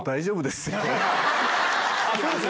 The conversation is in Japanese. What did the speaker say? そうです？